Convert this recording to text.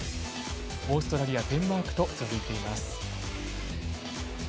オーストラリア、デンマークと続いています。